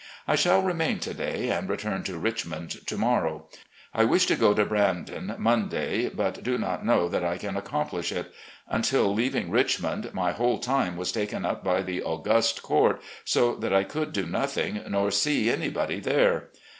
I shall remain to day and return to Rich mond to morrow. I wish to go to Brandon Monday, but do not know that I can accomplish it. Until leaving Richmond, my whole time was taken up by the august court, so that I could do nothing nor see anybody there.